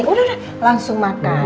udah udah langsung makan